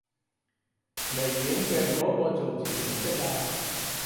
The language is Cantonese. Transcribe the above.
微軟嘅嗰個造字程式啊